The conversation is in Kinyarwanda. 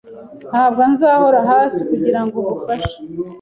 Ntabwo nzahora hafi kugirango ngufashe.